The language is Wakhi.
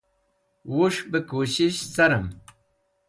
Wush bẽ kushish carẽm.